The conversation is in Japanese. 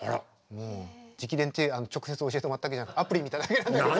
もう直伝って直接教えてもらったわけじゃなくてアプリ見ただけなんだけど。